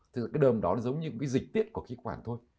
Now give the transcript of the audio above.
thì cái đờm đó giống như cái dịch tiết của khí khoản thôi